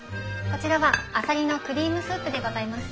こちらはあさりのクリームスープでございます。